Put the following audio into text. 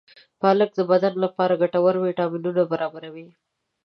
پالک د بدن لپاره ګټور ویټامینونه برابروي.